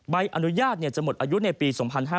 ใบอนุญาตจะหมดอายุในปี๒๕๕๙